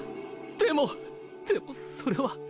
でもでもそれは。